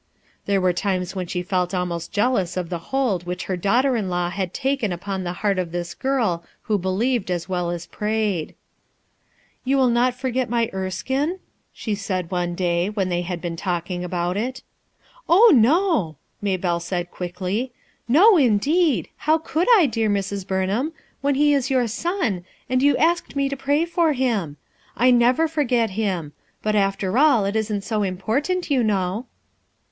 There were times when she felt almost jealous of the hold which her daughter in law had taken upon the heart of this girl who believed as well as prayed. 314 RUTH ERSKINE'S SON "You will not forget my Erskine ?" she said one day when they had been talking about it. "Oh, no!" Maybclle said quickly. "j^o indeed 1 How could I, dear Mrs. Burnham, when lie is your son, and you asked me to pray for him? I never forget him; but after all, it isn't so important, you know."